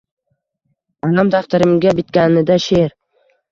Alam daftarimga bitganida she’r